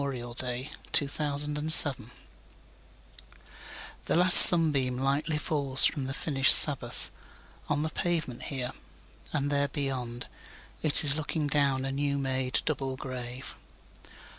Dirge for Two Veterans 1THE LAST sunbeamLightly falls from the finish'd Sabbath, On the pavement here—and there beyond, it is looking, Down a new made double grave.